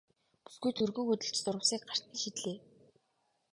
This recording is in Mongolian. Бүсгүй түргэн хөдөлж зурвасыг гарт нь шидлээ.